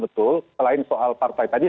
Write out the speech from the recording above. betul selain soal partai tadi